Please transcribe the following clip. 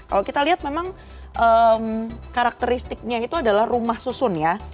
kalau kita lihat memang karakteristiknya itu adalah rumah susun ya